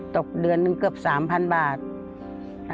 ตกเดือนหนึ่งเกือบ๓๐๐บาท